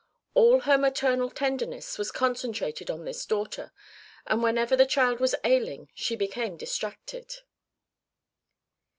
All her maternal tenderness was concentrated on this daughter, and whenever the child was ailing she became distracted.